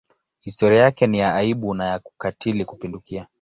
Historia yake ni ya aibu na ya ukatili kupindukia.